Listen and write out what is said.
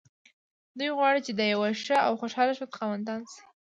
دوی غواړي چې د يوه ښه او خوشحاله ژوند خاوندان شي.